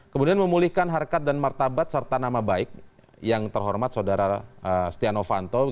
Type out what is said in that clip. kemudian memulihkan harkat dan martabat serta nama baik yang terhormat saudara stiano fanto